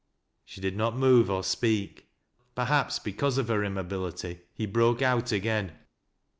She did not move nor speak. Perhaps because of her immobility he broke out again.